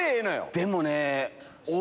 でもね。